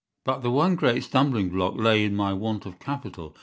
"But the one great stumbling block lay in my want of capital.